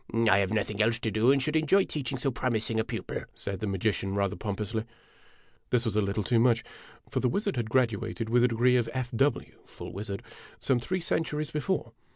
" I have nothing else to do, and should enjoy teaching so promis ing a pupil," said the magician, rather pompously. This was a little too much, for the wizard had graduated with the degree of F. W. (Full Wizard) some three centuries before.